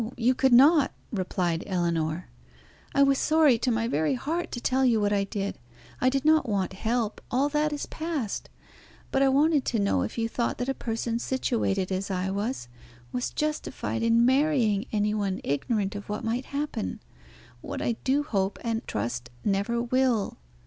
you could not," replied Ellinor. "I was sorry to my very heart to tell you what I did; I did not want help; all that is past. But I wanted to know if you thought that a person situated as I was, was justified in marrying any one ignorant of what might happen, what I do hope and trust never will."